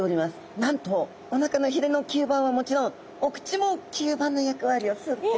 なんとおなかのひれの吸盤はもちろんお口も吸盤の役割をするっていうことなんですね。